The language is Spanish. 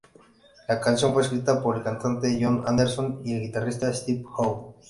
La canción fue escrita por el cantante Jon Anderson y el guitarrista Steve Howe.